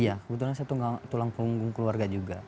iya kebetulan saya tulang punggung keluarga juga